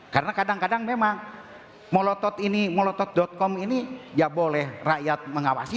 karena kadang kadang memang molotot ini molotot com ini ya boleh rakyat mengawasi